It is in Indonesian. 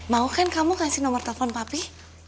mau kan kamu kasih nomor telepon papi